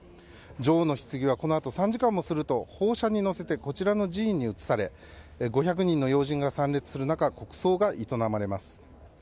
女王のひつぎはこのあと３時間もすると砲車に載せてこちらの寺院に移され５００人の要人が参列する中国葬が営まれます。